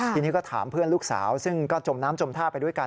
ทีนี้ก็ถามเพื่อนลูกสาวซึ่งก็จมน้ำจมท่าไปด้วยกัน